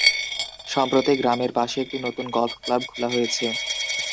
সম্প্রতি গ্রামের পাশে একটি নতুন গলফ ক্লাব খোলা হয়েছে।